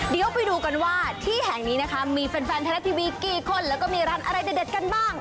เดี๋ยวไปดูกันว่าที่แห่งนี้นะคะมีแฟนไทยรัฐทีวีกี่คนแล้วก็มีร้านอะไรเด็ดกันบ้าง